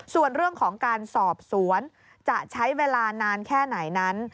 ส่วนเรื่องของการสอบสวนจะใช้เวลานานแค่ไหนนั้น